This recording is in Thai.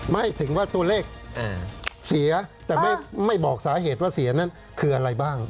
ไม่ถึงว่าตัวเลขเสียแต่ไม่บอกสาเหตุว่าเสียนั้นคืออะไรบ้าง